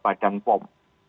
ada badan pom